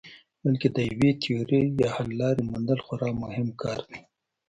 بلکې د یوې تیورۍ یا حللارې موندل خورا مهم کار دی.